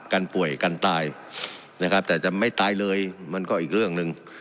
กันป่วยกันตายนะครับแต่จะไม่ตายเลยมันก็อีกเรื่องหนึ่ง